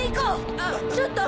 あちょっと！